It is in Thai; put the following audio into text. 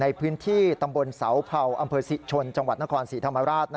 ในพื้นที่ตำบลเสาเผาอำเภอศรีชนจังหวัดนครศรีธรรมราช